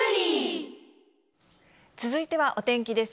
続いてはお天気です。